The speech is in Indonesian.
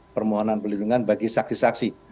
permohonan perlindungan bagi saksi saksi